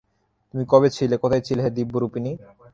তুমি কবে ছিলে, কোথায় ছিলে হে দিব্যরূপিণী।